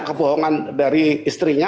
kebohongan dari istrinya